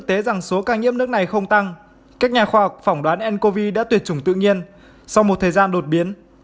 các nhà khoa học phỏng đoán ncov đã tuyệt chủng tự nhiên sau một thời gian đột biến